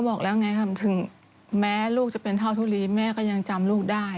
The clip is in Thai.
บอกแล้วไงค่ะถึงแม้ลูกจะเป็นท่อทุลีแม่ก็ยังจำลูกได้